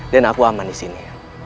dan aku aman disini